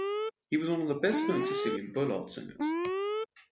He was one of the best known Sicilian ballad singers.